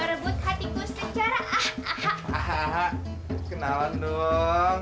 ah ah ah kenalan dong